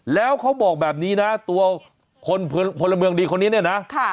แล้วเขาบอกแบบนี้นะตัวคนพลเมืองดีคนนี้เนี่ยนะ